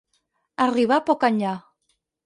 Arribar poc enllà.